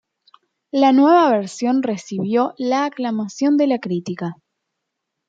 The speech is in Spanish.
La nueva versión recibió la aclamación de la crítica.